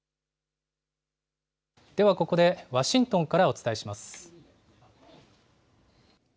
ではここで、ワシントンからお伝えします。